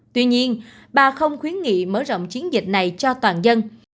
tuy nhiên bà không khuyến nghị mở rộng chiến dịch này cho toàn dân